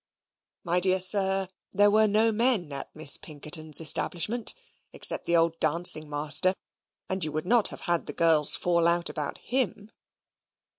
My dear sir, there were no men at Miss Pinkerton's establishment except the old dancing master; and you would not have had the girls fall out about HIM?